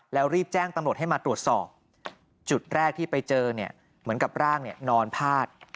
แล้วรีบแจ้งตำรวจให้มาตรวจสอบจุดแรกที่ไปเจอเนี่ยเหมือนกับร่างเนี่ยนอนพาด